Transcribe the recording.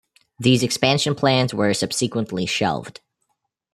These expansion plans were subsequently shelved.